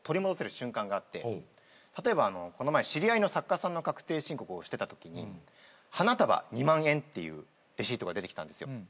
例えばこの前知り合いの作家さんの確定申告をしてたときに「花束２万円」っていうレシートが出てきたんですよ。